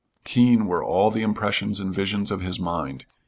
Keen were all the impressions and visions of his mind.